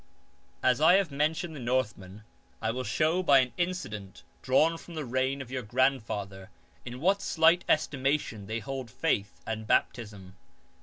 19. As I have mentioned the Northmen I will show by an incident dravirn from the reign of your grandfather in what slight estimation they hold faith and baptism.